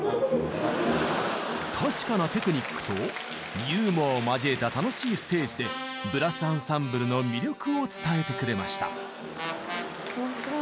確かなテクニックとユーモアを交えた楽しいステージでブラス・アンサンブルの魅力を伝えてくれました。